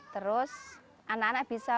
terus anak anak bisa